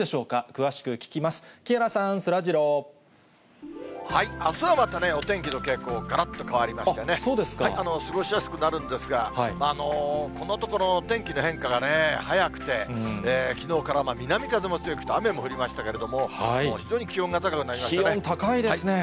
詳しく聞きます、木原さん、あすはまたね、お天気の傾向、がらっと変わりましてね、過ごしやすくなるんですが、このところ、お天気の変化が早くて、きのうから南風も強くて、雨も降りましたけれども、非常に気温が高くなりましたね。